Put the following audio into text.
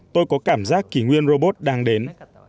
tôi có cảm giác kỷ nguyên robot đang đến